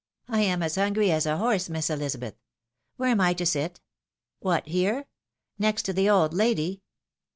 I am as hungry as a horse, Miss Elizabeth. Where am I to sit ? What, here! — next to the old lady?